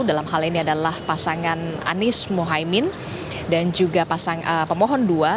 dalam hal ini adalah pasangan anies mohaimin dan juga pemohon dua